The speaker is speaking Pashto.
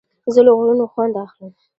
زه له غرونو خوند اخلم.